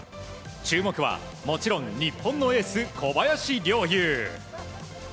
注目はもちろん日本のエース小林陵侑。